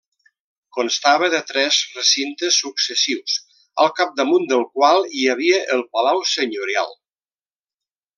Constava de tres recintes successius, al capdamunt del qual hi havia el palau senyorial.